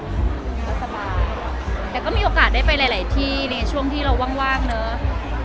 ก็สบายแต่ก็มีโอกาสได้ไปหลายที่ในช่วงที่เราว่างเนอะ